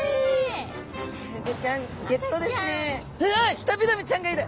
シタビラメちゃんがいる。